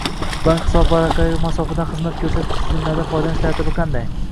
Bank hisobvaraqlariga masofadan xizmat ko‘rsatish tizimlaridan foydalanish tartibi qanday?